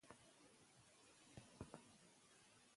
اقتصاد د مالي پالیسیو او اقتصادي ودې اړیکه ښيي.